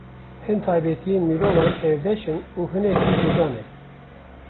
Hin taybetiyên mirovan hevbeş in û hinek jî cuda ne.